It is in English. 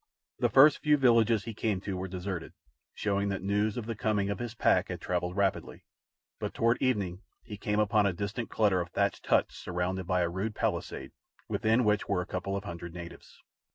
The first few villages he came to were deserted, showing that news of the coming of his pack had travelled rapidly; but toward evening he came upon a distant cluster of thatched huts surrounded by a rude palisade, within which were a couple of hundred natives.